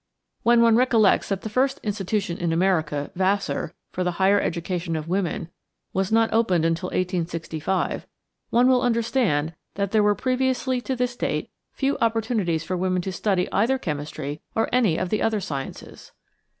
When one recollects that the first institution in America Vassar for the higher education of women was not opened until 1865, one will understand that there were previously to this date few opportunities for women to study either chemistry or any of the other sciences.